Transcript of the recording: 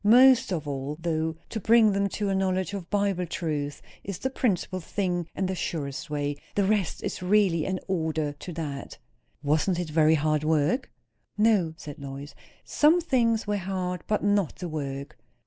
Most of all, though, to bring them to a knowledge of Bible truth is the principal thing and the surest way. The rest is really in order to that." "Wasn't it very hard work?" "No," said Lois. "Some things were hard; but not the work."